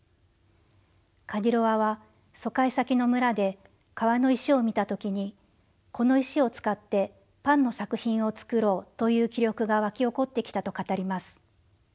カディロワは疎開先の村で川の石を見た時にこの石を使ってパンの作品を作ろうという気力が沸き起こってきたと語ります。